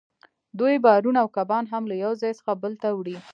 دوی بارونه او کبان هم له یو ځای څخه بل ته وړي